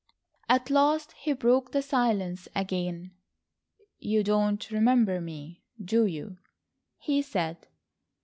At last he broke the silence again. "You don't remember me, do you?" he said.